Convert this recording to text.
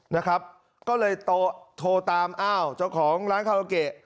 นะครับก็เลยโทรตามอ้าวเจ้าของร้านคาราโอเกะ